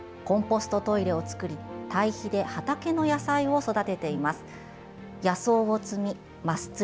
コンポストトイレを作り堆肥で畑の野菜を育てています。